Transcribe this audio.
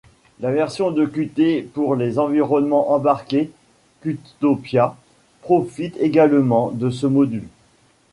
La version de Qt pour les environnements embarqués, Qtopia, profite également de ce module.